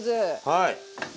はい。